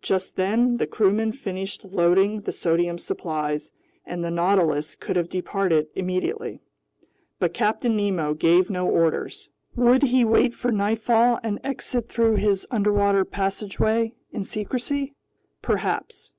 Just then the crewmen finished loading the sodium supplies, and the Nautilus could have departed immediately. But Captain Nemo gave no orders. Would he wait for nightfall and exit through his underwater passageway in secrecy? Perhaps.